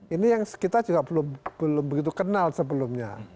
ini yang kita juga belum begitu kenal sebelumnya